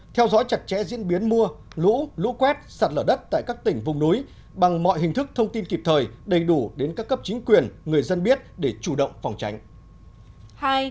hai theo dõi chặt chẽ diễn biến mưa lũ lũ quét sạt lở đất tại các tỉnh vùng núi bằng mọi hình thức thông tin kịp thời đầy đủ đến các cấp chính quyền người dân biết để chủ động phòng tránh